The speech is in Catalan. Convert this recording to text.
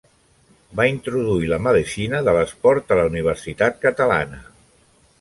Va introduir la medicina de l’esport a la universitat catalana.